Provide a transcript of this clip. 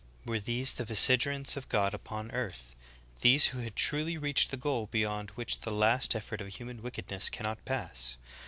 141 Were these the vicegerents of God upon earth — these, who had truly reached the goal beyond which the last effort of human wickedness cannot pass?